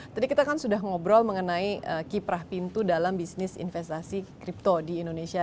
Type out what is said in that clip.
tadi kita kan sudah ngobrol mengenai kiprah pintu dalam bisnis investasi kripto di indonesia